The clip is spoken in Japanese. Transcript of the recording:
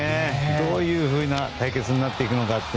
どういうふうな対決になっていくのか。